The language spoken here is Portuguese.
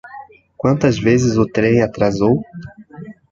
Quantas vezes o trem atrasou?